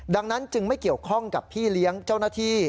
ดังนั้นจึงไม่เกี่ยวข้องกับพี่เลี้ยงเจ้าหน้าที่